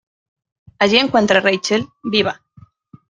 Allí encuentra a Rachael, viva.